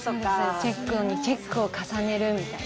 チェックにチェックを重ねるみたいな。